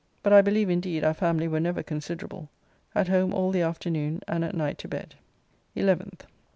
But I believe, indeed, our family were never considerable. At home all the afternoon, and at night to bed. 11th.